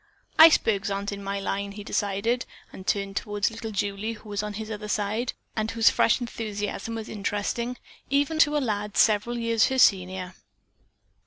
"Icebergs aren't in my line," he decided, and turned toward little Julie, who was on his other side, and whose fresh enthusiasm was interesting, even to a lad several years her senior.